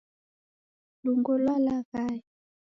Lungo lwalaghaya.